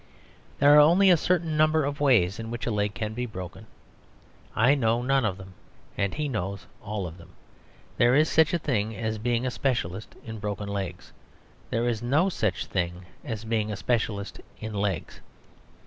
There are only a certain number of ways in which a leg can be broken; I know none of them, and he knows all of them. There is such a thing as being a specialist in broken legs. There is no such thing as being a specialist in legs.